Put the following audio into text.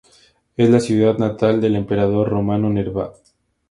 Es la ciudad natal del emperador romano Nerva.